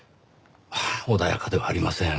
ああ穏やかではありません。